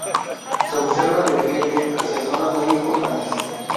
Se observan declives hacia zonas muy importantes.